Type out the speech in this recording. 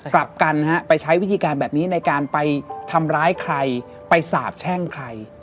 กลับกันไปใช้วิธีการแบบนี้ในการไปทำร้ายใครไปสาบแช่งใคร